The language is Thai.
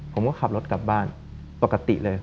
ผมก็ขับรถกลับบ้านปกติเลย